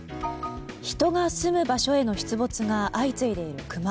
人が住む場所への出没が相次いでいるクマ。